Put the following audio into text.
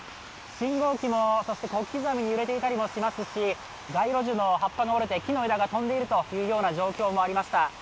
信号機も小刻みに揺れていたりしますし街路樹の葉っぱが折れて木の枝が飛んでいるという状況もありました。